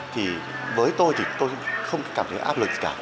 thì với tôi thì tôi không cảm thấy áp lực gì cả